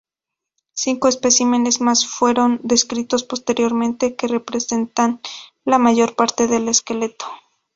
Cinco especímenes más fueron descritos posteriormente, que representan la mayor parte del esqueleto.